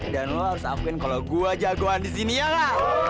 dan lo harus akuin kalo gue jagoan disini ya kan